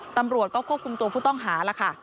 ตำรวจก็ควบคุมตัวผู้ต้องหาแล้วค่ะ